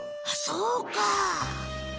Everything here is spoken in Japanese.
あっそうか！